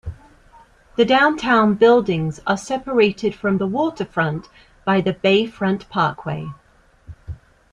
The downtown buildings are separated from the waterfront by the Bayfront Parkway.